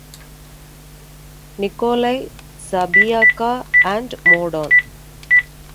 Nikolai", "Zabiaka" and "Modon".